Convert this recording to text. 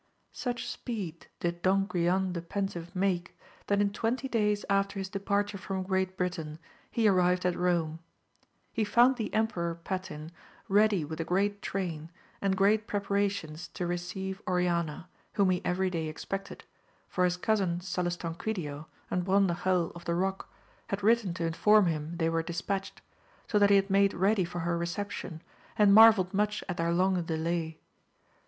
ITCH speed did Don Guilan the Pensive make, that in twenty days after his de parture from Great Britain he arrived at Eome. He found the Emperor Patin ready with a great train, and great preparations to receive Oriana, whom he every day expected, for his cousin Salus tanquidio and Brondajel of the Eock had written to inform him they were dispatched, so that he had made ready for her reception, and marvelled much at their long delay.